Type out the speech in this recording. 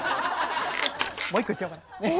もう一個いっちゃおうかな。